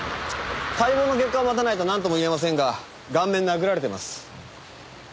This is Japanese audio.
解剖の結果を待たないとなんとも言えませんが顔面殴られてます。